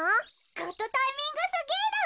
グッドタイミングすぎる。